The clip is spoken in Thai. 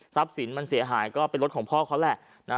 สินมันเสียหายก็เป็นรถของพ่อเขาแหละ